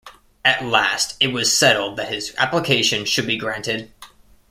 At last it was settled that his application should be granted.